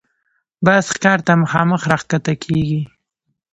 باز ښکار ته مخامخ راښکته کېږي